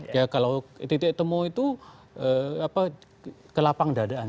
kalau tidak temu itu kelapang dadaan